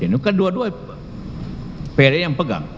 itu kan dua dua pern yang pegang